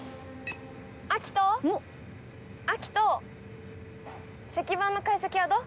アキト石板の解析はどう？